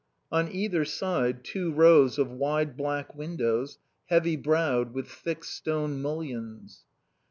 On either side two rows of wide black windows, heavy browed, with thick stone mullions.